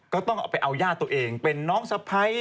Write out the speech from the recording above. ก็ต้องเอาไปเอาย่าตัวเองเป็นน้องสะพ้าย